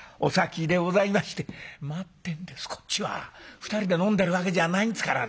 ２人で飲んでるわけじゃないんですからね。